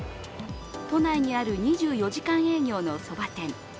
都内にある２４時間営業のそば店。